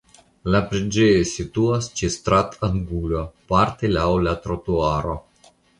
La preĝejo situas ĉe stratangulo parte laŭ la trotuaro.